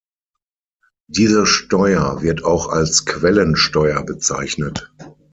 Diese Steuer wird auch als Quellensteuer bezeichnet.